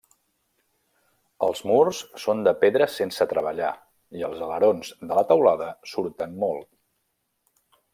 Els murs són de pedra sense treballar i els alerons de la teulada surten molt.